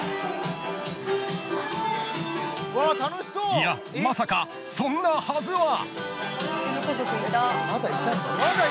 ［いやまさかそんなはずは］